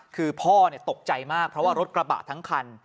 คือพ่อตกใจมากเพราะว่ารถกระบะทั้งคัน